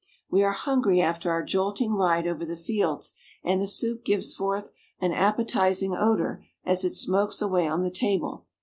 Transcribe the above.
We are hungry after our jolting ride over the fields, and the soup gives forth an appetizing odor as it smokes away on the table.